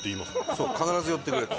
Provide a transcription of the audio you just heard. そう必ず寄ってくれって。